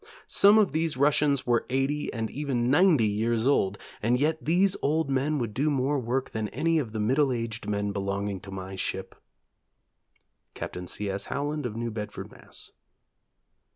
Some of these Russians were eighty and even ninety years old, and yet these old men would do more work than any of the middle aged men belonging to my ship. Captain C. S. Howland of New Bedford, Mass.'